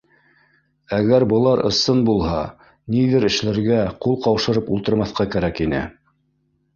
Әгәр былар ысын булһа, ниҙер эшләргә, ҡул ҡаушырып ултырмаҫҡа кәрәк ине